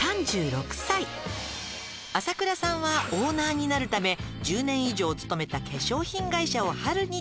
「朝倉さんはオーナーになるため１０年以上勤めた化粧品会社を春に退職」